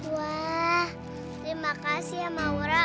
wah terima kasih ya maura